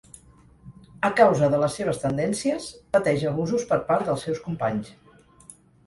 A causa de les seves tendències, pateix abusos per part dels seus companys.